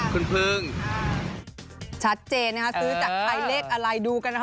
คุณพึ่งชัดเจนนะคะซื้อจากใครเลขอะไรดูกันนะครับ